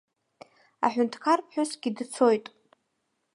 Аҳәынҭқарԥҳәысгьы дцоит.